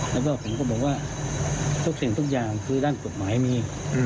แล้วก็ผมก็บอกว่าทุกสิ่งทุกอย่างคือด้านกฎหมายมี